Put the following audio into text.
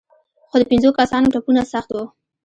خو د پنځو کسانو ټپونه سخت وو.